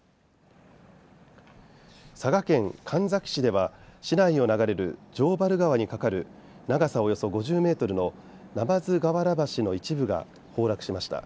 佐賀県神埼市では市内を流れる城原川に架かる長さおよそ５０ｍの鯰河原橋の一部が崩落しました。